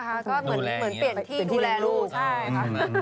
ก็เหมือนเปลี่ยนที่ดูแลลูก